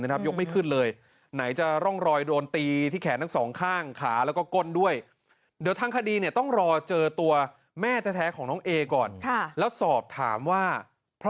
ประเภทซ์ที่เป็นเข้าของที่เราใส่บอกว่าตอนแขนเค้าขาแล้วก็แขนเท่าซ้ายเนี่ย